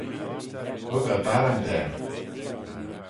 Hug eh barrant er.